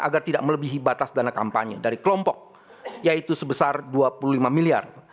agar tidak melebihi batas dana kampanye dari kelompok yaitu sebesar dua puluh lima miliar